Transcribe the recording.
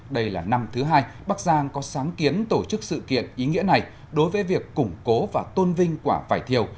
đây là năm thứ hai bắc giang có sáng kiến tổ chức sự kiện ý nghĩa này đối với việc củng cố và tôn vinh quả vải thiều